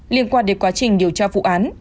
liên quan đến quá trình điều tra vụ án